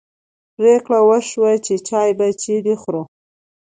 پرېکړه وشوه چې چای به چیرې خورو.